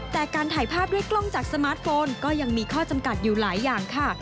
แต่การถ่ายภาพด้วยกล้องจากสมาร์ทโฟนก็ยังมีข้อจำกัดอยู่หลายอย่างค่ะ